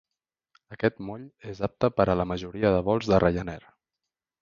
Aquest moll és apte per a la majoria de vols de Ryanair.